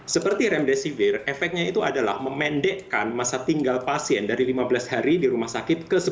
seperti remdesivir efeknya itu adalah memendekkan masa tinggal pasien dari lima belas hari di rumah sakit ke sepuluh